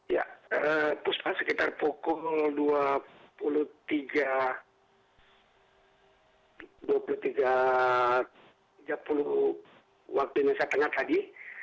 ya puspan sekitar pukul dua puluh tiga tiga puluh waktu indonesia tengah tadi